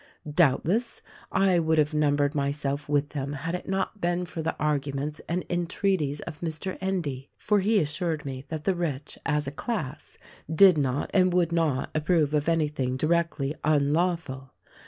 Doubt less, I would have numbered myself with them had it not been for the arguments and entreaties of Mr. Endy ; for he assured me that the rich, as a class, did not and would not approve of anything directly unlawful.